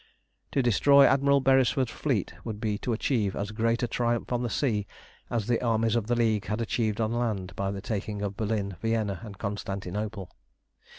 To destroy Admiral Beresford's fleet would be to achieve as great a triumph on the sea as the armies of the League had achieved on land by the taking of Berlin, Vienna, and Constantinople.